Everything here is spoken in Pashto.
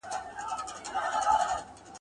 چي په مخکي يې د دې د ټیټوالي